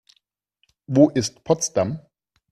Wo ist Potsdam?